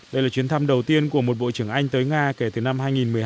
đây là chuyến thăm đầu tiên của một bộ trưởng anh tới nga kể từ năm hai nghìn một mươi hai